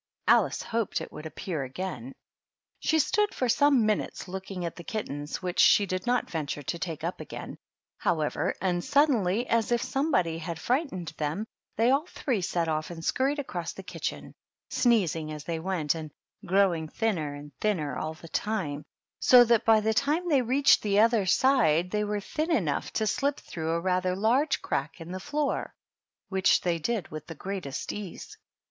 Alice hoped it would appear again. She stood for some minutes looking at the kittens, which she did not venture to take up again, however, and suddenly, as if somebody had frightened them, they all three set oflF and scurried across the kitchen, sneezing as they went, and growing thinner and thinner all the time, so that by the time they reached the other side they were thin enough to 42 THE DUCHESS AND HER HOUSE. slip through a rather large crack in the floor, which they did with the greatest ease.